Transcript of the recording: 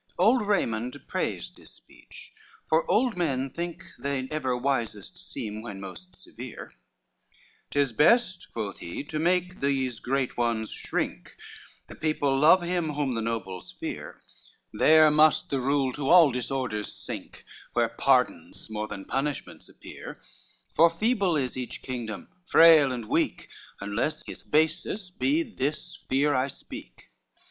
XXXIX Old Raymond praised his speech, for old men think They ever wisest seem when most severe, "'Tis best," quoth he, "to make these great ones shrink, The people love him whom the nobles fear: There must the rule to all disorders sink, Where pardons more than punishments appear; For feeble is each kingdom, frail and weak, Unless his basis be this fear I speak."